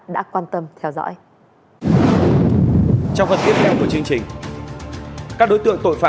đã quan tâm theo dõi